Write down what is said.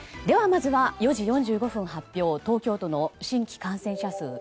では、４時４５分発表の東京都の新規感染者数